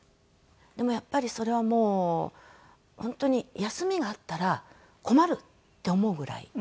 でもやっぱりそれはもう本当に休みがあったら困るって思うぐらい行きました。